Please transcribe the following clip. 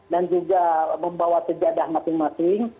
dan juga membawa sejadah masing masing